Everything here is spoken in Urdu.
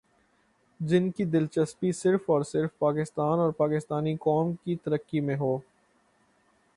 جن کی دلچسپی صرف اور صرف پاکستان اور پاکستانی قوم کی ترقی میں ہو ۔